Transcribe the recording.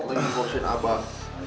neng paksain abah